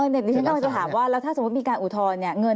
เด็กนี้ฉันก็จะถามว่าแล้วถ้าสมมติมีการอุทธรณ์